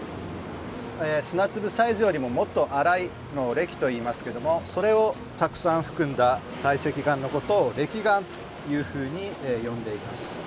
砂粒サイズよりももっと粗いのをれきといいますけどもそれをたくさん含んだ堆積岩のことをれき岩というふうに呼んでいます。